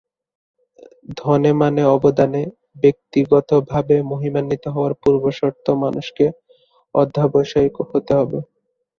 ধনে মানে অবদানে ব্যক্তিপতভাবে মহিমান্বিত হওয়ার পূর্বশর্ত মানুষকে অধ্যবসায়ী হতে হবে।